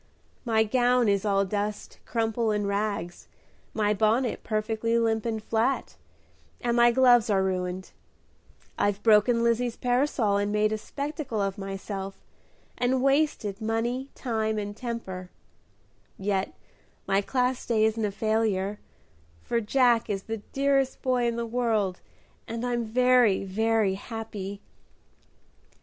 "My gown is all dust, crumple, and rags, my bonnet perfectly limp and flat, and my gloves are ruined; I've broken Lizzie's parasol, made a spectacle of myself, and wasted money, time, and temper; yet my Class Day isn't a failure, for Jack is the dearest boy in the world, and I'm very, very happy!"